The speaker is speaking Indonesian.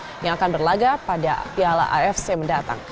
tim nasu u sembilan belas yang akan berlaga pada piala afc mendatang